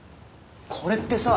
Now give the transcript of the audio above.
これってさ